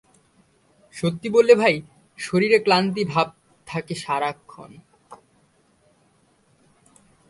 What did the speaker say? সত্যি বললে ভাই, শরীরে ক্লান্তি ভাব থাকে সারাক্ষণ।